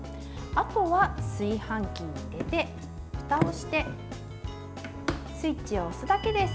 あとは炊飯器に入れてふたをしてスイッチを押すだけです。